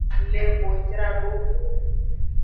Le hojradoxu.